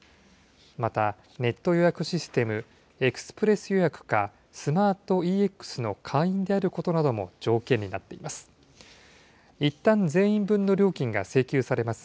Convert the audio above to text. また、ネット予約システム、エクスプレス予約か、スマートＥＸの会員であることなども条件になっています。